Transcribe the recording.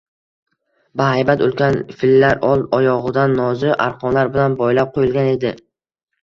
Bahaybat, ulkan fillar old oyogʻidan nozik arqonlar bilan boylab qoʻyilgan edi